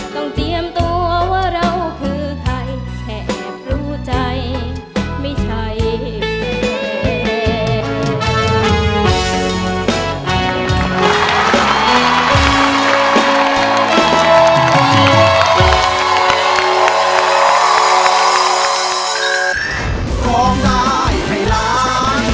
เตรียมตัวว่าเราคือใครแค่แอบรู้ใจไม่ใช่เพลง